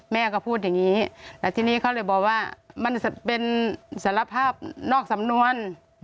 แม่ก็พูดอย่างนี้แล้วทีนี้เขาเลยบอกว่ามันเป็นสารภาพนอกสำนวน